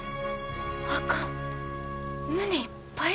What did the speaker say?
あかん胸いっぱいや。